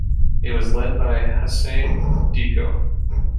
It was led by Hassane Dicko.